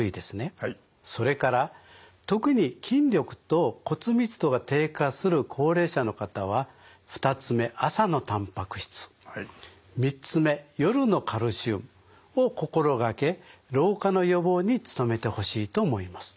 それから特に筋力と骨密度が低下する高齢者の方は２つ目朝のたんぱく質３つ目夜のカルシウムを心掛け老化の予防に努めてほしいと思います。